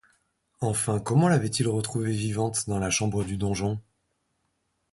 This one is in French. Enfin comment l’avait-il retrouvée vivante dans la chambre du donjon?